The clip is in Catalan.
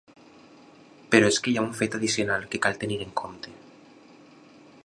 Però és que hi ha un fet addicional que cal tenir en compte.